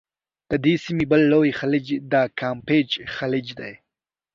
د دې سیمي بل لوی خلیج د کامپېچ خلیج دی.